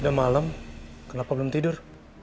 udah malam kenapa belum tidur